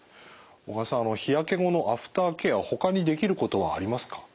小川さん日焼け後のアフターケアほかにできることはありますか？